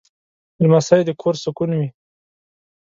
لمسی د کور سکون وي.